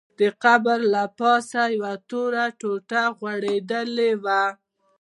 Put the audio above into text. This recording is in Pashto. د قبر له پاسه یوه توره ټوټه غوړېدلې وه.